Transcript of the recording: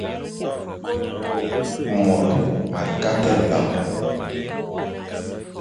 Mor a kandé nlan.